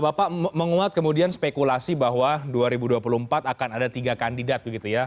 bapak menguat kemudian spekulasi bahwa dua ribu dua puluh empat akan ada tiga kandidat begitu ya